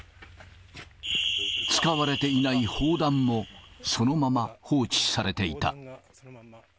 使われていない砲弾も、そのまま放置されていた。